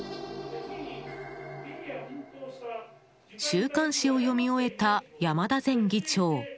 週刊誌を読み終えた山田前議長。